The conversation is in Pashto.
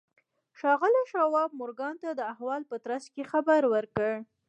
ښاغلي شواب مورګان ته د احوال په ترڅ کې خبر ورکړ